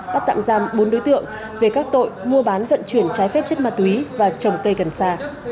bắt tạm giam bốn đối tượng về các tội mua bán vận chuyển trái phép chất ma túy và trồng cây gần xa